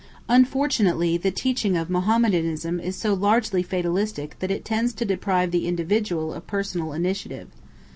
Unfortunately the teaching of Mohammedanism is so largely fatalistic that it tends to deprive the individual of personal initiative.